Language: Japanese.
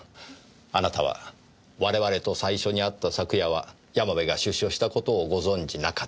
あなたは我々と最初に会った昨夜は山部が出所したことをご存じなかった。